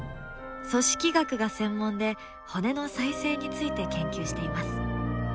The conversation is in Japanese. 組織学が専門で骨の再生について研究しています。